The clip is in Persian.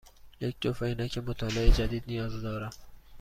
یک جفت عینک مطالعه جدید نیاز دارم.